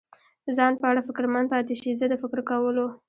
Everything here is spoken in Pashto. ځان په اړه فکرمند پاتې شي، زه د فکر کولو.